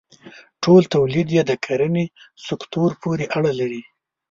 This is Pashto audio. ټول تولید یې د کرنې سکتور پورې اړه لري.